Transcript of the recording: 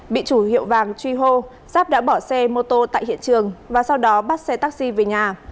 bị chủ hiệu vàng truy hô giáp đã bỏ xe mô tô tại hiện trường và sau đó bắt xe taxi về nhà